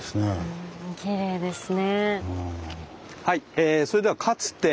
うんきれいですね。